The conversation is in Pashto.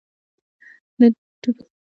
د ډوپلر اغېز د غږ یا رڼا فریکونسي بدلوي.